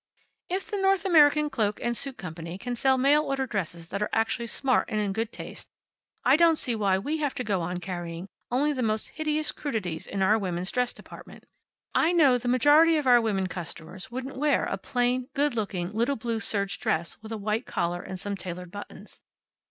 "If the North American Cloak & Suit Company can sell mail order dresses that are actually smart and in good taste, I don't see why we have to go on carrying only the most hideous crudities in our women's dress department. I know that the majority of our women customers wouldn't wear a plain, good looking little blue serge dress with a white collar, and some tailored buttons.